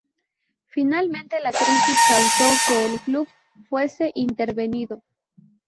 Finalmente, la crisis causó que el club fuese intervenido.